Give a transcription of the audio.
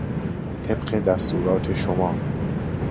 طبق دستورات شما